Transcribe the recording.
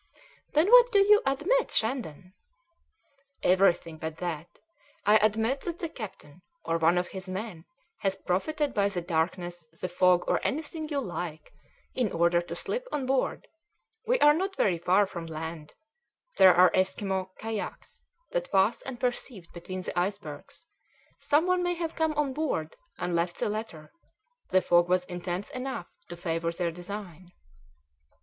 "Then what do you admit, Shandon?" "Everything but that! I admit that the captain, or one of his men, has profited by the darkness, the fog, or anything you like, in order to slip on board; we are not very far from land; there are Esquimaux kayaks that pass unperceived between the icebergs; someone may have come on board and left the letter; the fog was intense enough to favour their design."